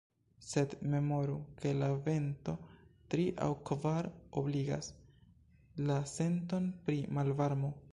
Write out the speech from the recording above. Sed memoru, ke la vento tri- aŭ kvar-obligas la senton pri malvarmo.